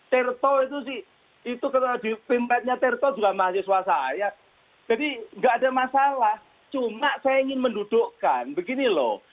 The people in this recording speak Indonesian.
terto itu sih itu ketua pemerintahnya terto juga mahasiswa saya jadi nggak ada masalah cuma saya ingin mendudukkan begini loh